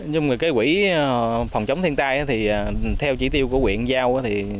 ngoài ra quỹ phòng chống thiên tai theo chỉ tiêu của huyện giao